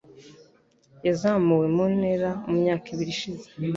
Yazamuwe mu ntera mu myaka ibiri ishize.